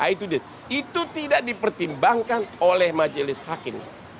itu tidak dipertimbangkan oleh majelis hakim